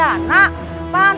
aku sudah berhenti